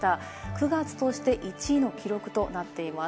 ９月として１位の記録となっています。